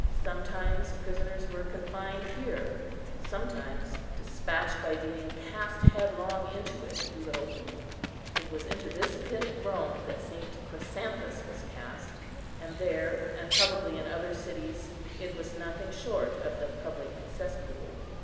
Sometimes prisoners were confined here, sometimes despatched by being cast headlong into it through the opening. It was into this pit at Rome that St. Chrysanthus was cast; and there, and probably in other cities, it was nothing short of the public cesspool.